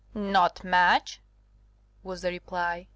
"Not much," was the reply.